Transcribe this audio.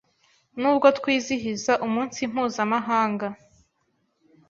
Nubwo twizihiza umunsi mpuzamahanga